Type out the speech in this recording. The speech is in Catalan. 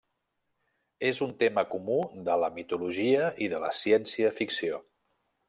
És un tema comú de la mitologia i de la ciència-ficció.